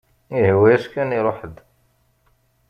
Ihwa-yas kan iruḥ-d.